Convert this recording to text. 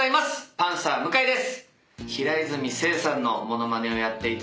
パンサー向井です。